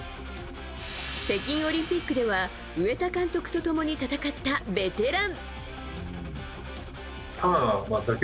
北京オリンピックでは植田監督と共に戦ったベテラン。